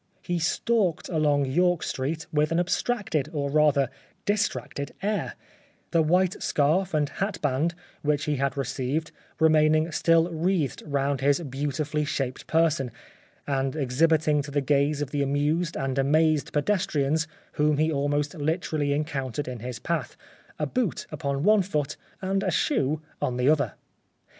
He stalked along York Street with an abstracted, or rather distracted air, the white scarf and hat band which he had received remaining still wreathed round his beautifully shaped person, and exhibiting to the gaze of the amused and amazed pedestrians whom he almost literally encountered in his path, a boot upon one foot, and a shoe on the other.